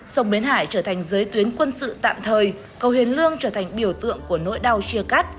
sông bến hải trở thành giới tuyến quân sự tạm thời cầu hiền lương trở thành biểu tượng của nỗi đau chia cắt